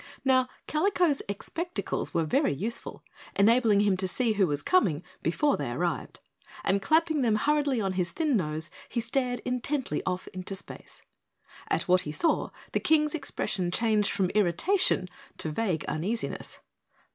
Now Kalico's expectacles were very useful, enabling him to see who was coming before they arrived, and clapping them hurriedly on his thin nose, he stared intently off into space. At what he saw, the King's expression changed from irritation to vague uneasiness.